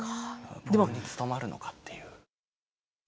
僕に務まるのかっていう。